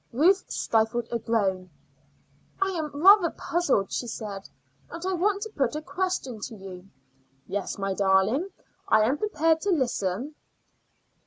Ruth stifled a groan. "I am rather puzzled," she said, "and I want to put a question to you." "Yes, my darling; I am prepared to listen."